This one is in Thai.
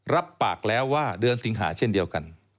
รับปากแล้วว่าเดือนสิงหาเช่นเดียวกัน